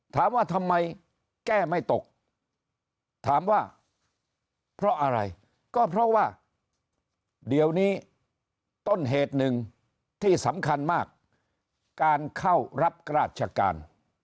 ถามว่าทำไมแก้ไม่ตกถามว่าเพราะอะไรก็เพราะว่าเดี๋ยวนี้ต้นเหตุหนึ่งที่สำคัญมากการเข้ารับราชการ